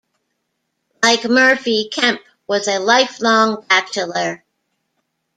Like Murphy, Kemp was a lifelong bachelor.